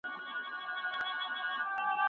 چې تکو تورو سترګو یې